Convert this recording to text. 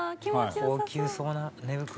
「高級そうな寝袋」